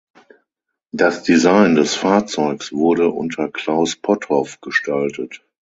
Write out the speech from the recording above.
Das Design des Fahrzeugs wurde unter Claus Potthoff gestaltet.